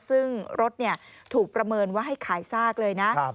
ซึ่งรถถูกประเมินว่าให้ขายซากเลยนะ